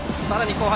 後半